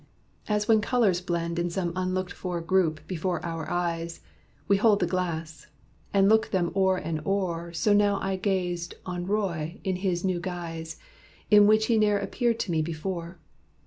As when colors blend In some unlooked for group before our eyes, We hold the glass, and look them o'er and o'er So now I gazed on Roy in his new guise, In which he ne'er appeared to me before.